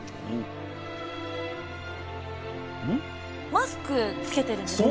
マスクつけてるんですか？